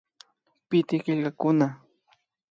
Pitik killkakuna